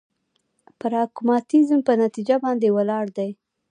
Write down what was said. پراګماتيزم په نتيجه باندې ولاړ دی.